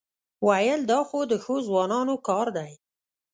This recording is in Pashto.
وېل دا خو د ښو ځوانانو کار دی.